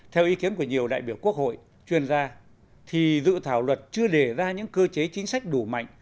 theo ý kiến của nhiều đại biểu quốc hội chuyên gia thì dự thảo luật chưa đề ra những cơ chế chính sách đủ mạnh